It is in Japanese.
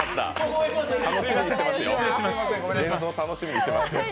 現像、楽しみにしてます。